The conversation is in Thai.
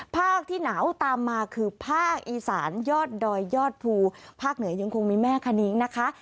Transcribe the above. ที่หนาวตามมาคือภาคอีสานยอดดอยยอดภูภาคเหนือยังคงมีแม่คณิ้งนะคะ